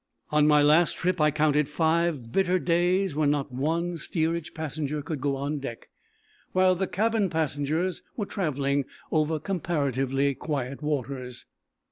On my last trip I counted five bitter days when not one steerage passenger could go on deck, while the cabin passengers were travelling over comparatively quiet waters.